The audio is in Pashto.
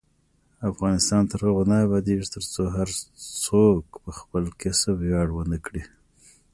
افغانستان تر هغو نه ابادیږي، ترڅو هر څوک په خپل کسب ویاړ ونه کړي.